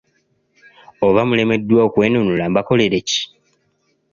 Oba mulemeddwa okwenunula mbakolere ki?